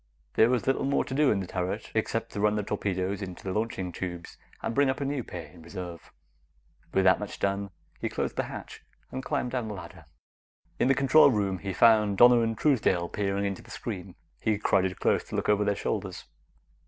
There was little more to do in the turret, except to run the torpedoes into the launching tubes and bring up a new pair in reserve. With that much done, he closed the hatch and climbed down the ladder. In the control room, he found Donna and Truesdale peering into the screen. He crowded close to look over their shoulders.